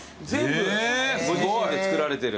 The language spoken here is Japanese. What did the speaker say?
ご自身で作られてる。